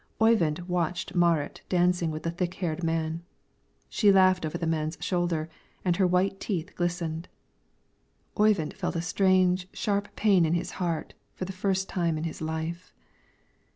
Oyvind watched Marit dancing with the thick haired man; she laughed over the man's shoulder and her white teeth glistened. Oyvind felt a strange, sharp pain in his heart for the first time in his life.